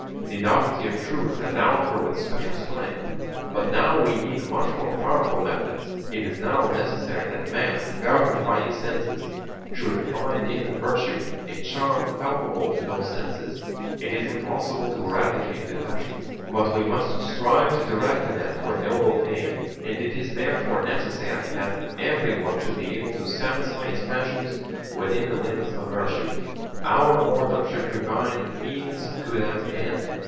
The novelty of Truth endowed her with special strength, but now we need much more powerful methods. It is now necessary that man, governed by his senses, should find in virtue a charm palpable to those senses. It is impossible to eradicate the passions; but we must strive to direct them to a noble aim, and it is therefore necessary that everyone should be able to satisfy his passions within the limits of virtue. Our order should provide means to that end.